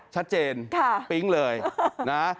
ชัดเจนปิ๊งเลยนะ